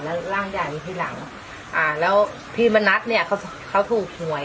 แล้วร่างใหญ่อยู่ที่หลังอ่าแล้วพี่มณัฐเนี่ยเขาเขาถูกหวย